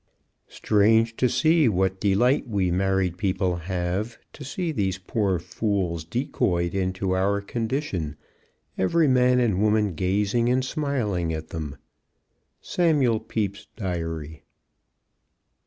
Strange to see what delight we married people have to see these poor fools decoyed into our condition, every man and woman gazing and smiling at them. _Samuel Pepys' Diary.